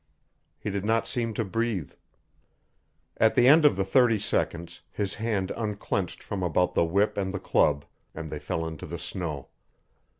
He did not seem to breathe. At the end of the thirty seconds his hand unclenched from about the whip and the club and they fell into the snow.